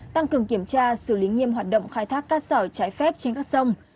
tăng cường kiểm tra xử lý nghiêm hoạt động khai thác cát sỏi trái phép trên các sông